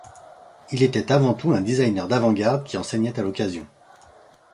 Il était avant tout un designer d'avant-garde qui enseignait à l'occasion.